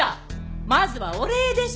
まずはお礼でしょ？